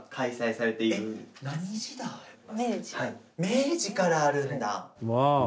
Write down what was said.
明治からあるんだ！